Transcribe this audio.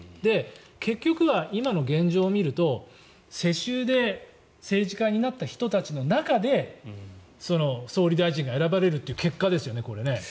結局は今の現状を見ると世襲で政治家になった人たちの中で総理大臣が選ばれるという結果ですよね。